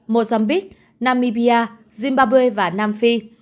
mozambique namibia zimbabwe và nam phi